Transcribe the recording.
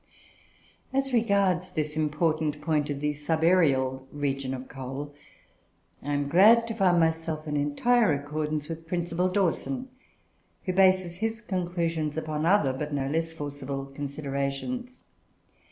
As regards this important point of the subaërial region of coal, I am glad to find myself in entire accordance with Principal Dawson, who bases his conclusions upon other, but no less forcible, considerations.